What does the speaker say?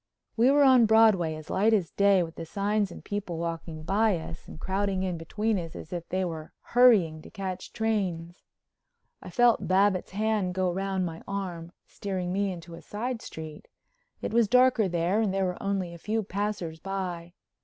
We were on Broadway as light as day with the signs and people walking by us and crowding in between us as if they were hurrying to catch trains. I felt Babbitts' hand go round my arm, steering me into a side street. It was darker there and there were only a few passers by.